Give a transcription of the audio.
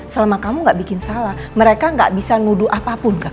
selama kamu gak bikin salah mereka gak bisa nuduh apapun kak